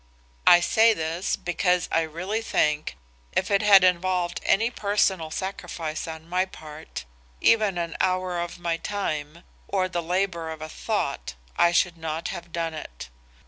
I say this because I really think if it had involved any personal sacrifice on my part, even of an hour of my time, or the labor of a thought, I should not have done it.